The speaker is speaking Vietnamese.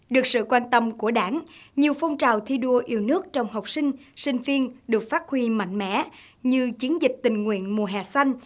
được sự quan tâm của đảng nhiều phong trào thi đua yêu nước trong học sinh sinh viên được phát huy mạnh mẽ như chiến dịch tình nguyện mùa hè xanh